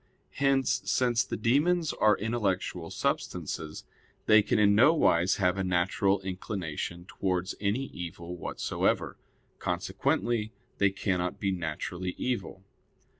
Hence, since the demons are intellectual substances, they can in no wise have a natural inclination towards any evil whatsoever; consequently they cannot be naturally evil.